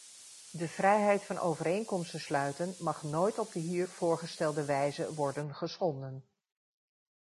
De vrijheid van overeenkomsten sluiten mag nooit op de hier voorgestelde wijze worden geschonden.